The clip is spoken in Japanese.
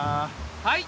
はい。